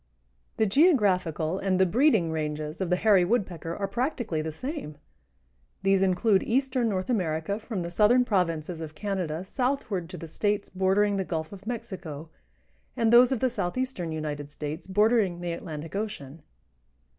The geographical and the breeding ranges of the Hairy Woodpecker are practically the same. These include eastern North America from the southern provinces of Canada southward to the States bordering the Gulf of Mexico and those of the southeastern United States bordering the Atlantic Ocean.